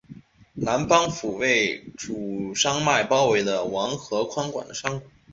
南邦府位处山脉包围的王河宽广的山谷。